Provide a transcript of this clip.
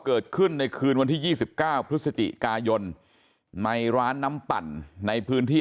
เกิดขึ้นในคืนวันที่๒๙พฤศจิกายนในร้านน้ำปั่นในพื้นที่